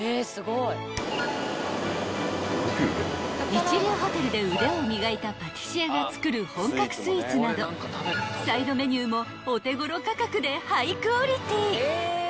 ［一流ホテルで腕を磨いたパティシエが作る本格スイーツなどサイドメニューもお手頃価格でハイクオリティー］